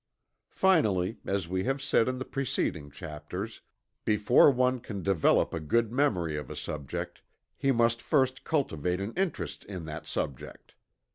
Finally, as we have said in the preceding chapters, before one can develop a good memory of a subject, he must first cultivate an interest in that subject.